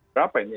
berapa ini ya